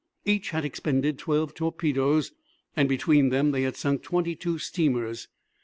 Each had expended twelve torpedoes, and between them they had sunk twenty two steamers.